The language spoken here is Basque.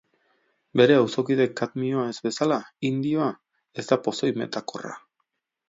Bere auzokide kadmioa ez bezala, indioa ez da pozoi metakorra.